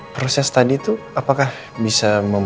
proses tadi itu apakah bisa